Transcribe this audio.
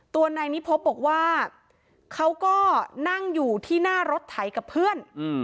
ตัวนายนิพบบอกว่าเขาก็นั่งอยู่ที่หน้ารถไถกับเพื่อน